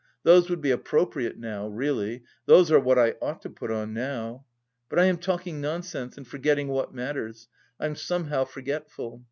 Those would be appropriate now, really, those are what I ought to put on now.... But I am talking nonsense and forgetting what matters; I'm somehow forgetful....